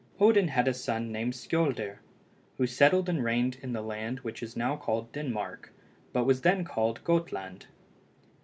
Odin had a son named Skioldr who settled and reigned in the land which is now called Denmark, but was then called Gotland.